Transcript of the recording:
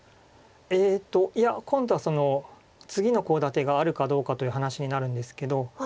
えっといや今度は次のコウ立てがあるかどうかという話になるんですけど。